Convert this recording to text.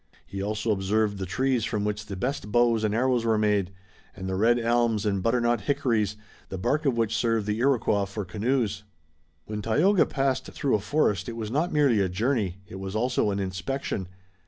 He also observed the trees from which the best bows and arrows were made, and the red elms and butternut hickories, the bark of which served the Iroquois for canoes. When Tayoga passed through a forest it was not merely a journey, it was also an inspection.